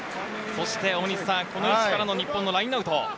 この位置からの日本のラインアウト。